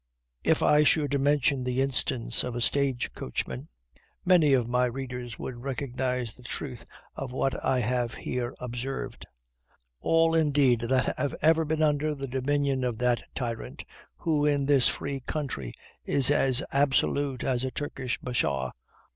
If I should mention the instance of a stage coachman, many of my readers would recognize the truth of what I have here observed; all, indeed, that ever have been under the dominion of that tyrant, who in this free country is as absolute as a Turkish bashaw.